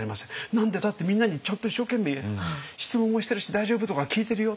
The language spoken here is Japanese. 「何でだってみんなにちゃんと一生懸命質問もしてるし『大丈夫？』とか聞いてるよ」。